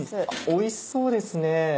おいしそうですね！